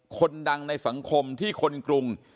คนดังในสังคมที่คนกรุง